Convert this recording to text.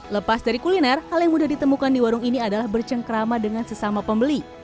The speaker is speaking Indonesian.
lepas dari kuliner hal yang mudah ditemukan di warung ini adalah bercengkrama dengan sesama pembeli